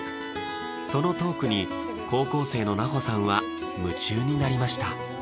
そのトークに高校生の奈穂さんは夢中になりました